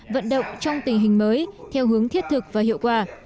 vận động trong tình hình mới theo hướng thiết thực và hiệu quả